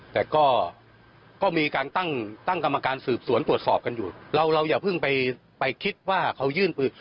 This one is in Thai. แต่ก็ก็มีการตั้งตั้งกรรมการสืบสวนตรวจสอบกันอยู่เราเราอย่าเพิ่งไปไปคิดว่าเขายื่นปืน